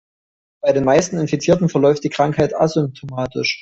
Bei den meisten Infizierten verläuft die Krankheit asymptomatisch.